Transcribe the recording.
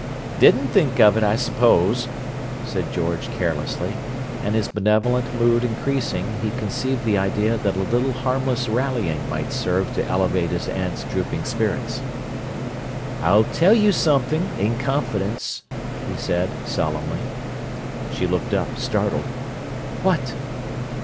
"Didn't think of it, I suppose," said George carelessly; and, his benevolent mood increasing, he conceived the idea that a little harmless rallying might serve to elevate his aunt's drooping spirits. "I'll tell you something, in confidence," he said solemnly. She looked up, startled. "What?"